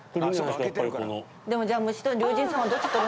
でもじゃあ。